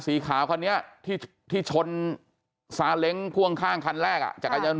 สีขาวนี้ที่ที่ชนสาเล็งพ่วงข้างคันแรกอ่ะจากการณ์ยนต์